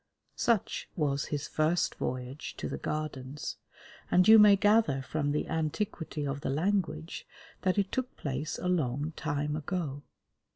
Such was his first voyage to the Gardens, and you may gather from the antiquity of the language that it took place a long time ago.